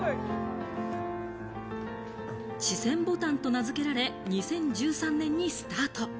池泉牡丹と名付けられ、２０１３年にスタート。